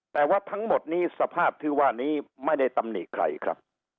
แต่ว่าทั้งหมดนี้สภาพที่ว่านี้ไม่ได้ตำหนิใครครับ